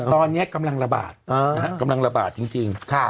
ตอนเนี้ยกำลังระบาดนะฮะกำลังระบาดจริงจริงค่ะ